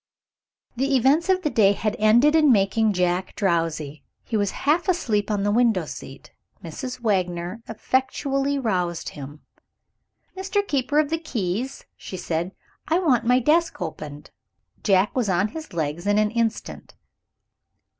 The events of the day had ended in making Jack drowsy; he was half asleep on the window seat. Mrs. Wagner effectually roused him. "Mr. Keeper of the Keys," she said; "I want my desk opened." Jack was on his legs in an instant.